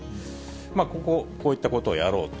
ここ、こういったことをやろうと。